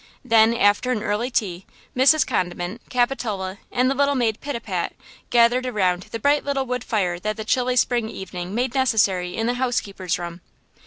Then, after an early tea, Mrs. Condiment, Capitola and the little maid Pitapat gathered around the bright little wood fire that the chilly spring evening made necessary in the housekeeper's room.